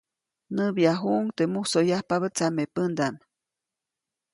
Näbyajuʼuŋ teʼ musoyapabä tsamepändaʼm.